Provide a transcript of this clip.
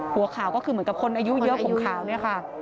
หัวขาวก็คือเหมือนกับคนอายุเยอะผมขาวเนี่ยค่ะ